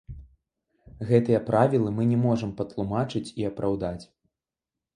Гэтыя правілы мы не можам патлумачыць і апраўдаць.